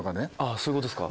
そういうことですか。